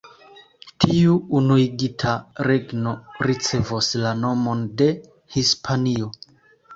Tiu unuigita regno ricevos la nomon de Hispanio.